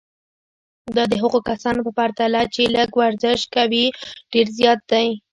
دا د هغو کسانو په پرتله چې لږ ورزش کوي ډېر زیات دی.